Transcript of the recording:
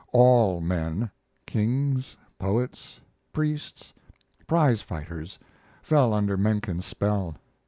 All men kings, poets, priests, prize fighters fell under Menken's spell.